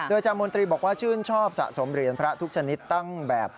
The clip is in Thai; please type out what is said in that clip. อาจารย์มนตรีบอกว่าชื่นชอบสะสมเหรียญพระทุกชนิดตั้งแบบ